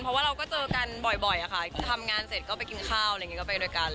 เพราะว่าเราก็เจอกันบ่อยค่ะทำงานเสร็จก็ไปกินข้าวอะไรอย่างนี้ก็ไปด้วยกัน